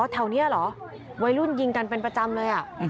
แถวนี้เหรอวัยรุ่นยิงกันเป็นประจำเลย